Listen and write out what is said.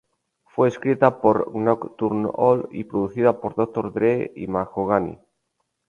Fue escrita por Knoc-turn'al y producida por Dr. Dre y Mahogany.